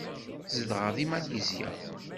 Zedɣeɣ deg Malizya.